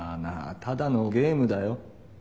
ただのゲームだよ。